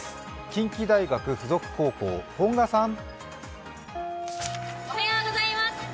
近畿大学附属高校、本賀さん。